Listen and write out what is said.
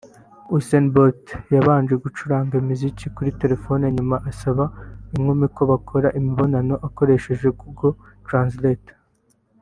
Usain Bolt yabanje gucuranga imiziki kuri telefone nyuma asaba inkumi ko bakora imibonano akoresheje Google Translate